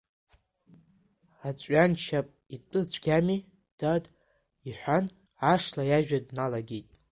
Аҵәҩаншьап итәы цәгьами, дад, — иҳәан ашла иажәа дналагеит.